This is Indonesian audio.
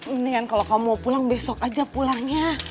mendingan kalau kamu mau pulang besok aja pulangnya